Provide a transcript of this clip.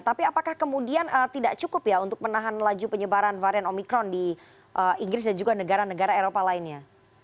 tapi apakah kemudian tidak cukup ya untuk menahan laju penyebaran varian omikron di inggris dan juga negara negara eropa lainnya